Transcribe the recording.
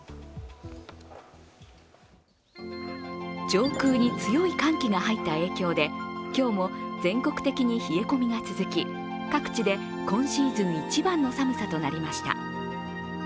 上空に強い寒気が入った影響で今日も全国的に冷え込みが続き各地で今シーズン一番の寒さとなりました。